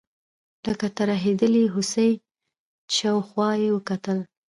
لکه ترهېدلې هوسۍ شاوخوا یې وکتل.